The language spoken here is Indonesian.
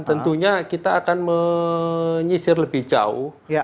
tentunya kita akan menyisir lebih jauh